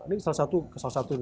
ini salah satu nasabah kami